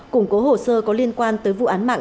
củng cố hồ sơ có liên quan tới vụ án mạng